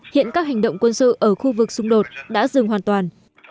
hiện các hành động quân sự ở khu vực xung đột đã dừng hoàn toàn